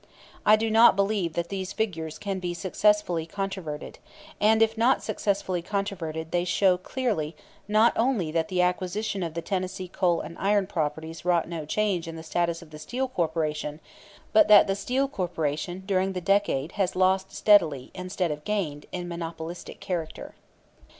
I do not believe that these figures can be successfully controverted, and if not successfully controverted they show clearly not only that the acquisition of the Tennessee Coal and Iron properties wrought no change in the status of the Steel Corporation, but that the Steel Corporation during the decade has steadily lost, instead of gained, in monopolistic character.